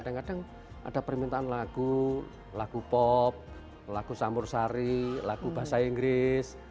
kadang kadang ada permintaan lagu lagu pop lagu campur sari lagu bahasa inggris